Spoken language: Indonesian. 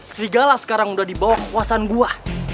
serigala sekarang udah dibawa kekuasaan gua